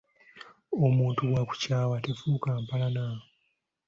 Omuntu bw'akukyawa tefuuka mpalana.